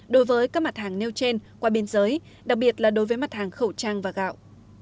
đối với các mặt hàng nêu trên qua biên giới đặc biệt là đối với mặt hàng khẩu trang và gạo